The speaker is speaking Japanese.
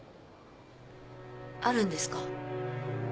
あるんですか？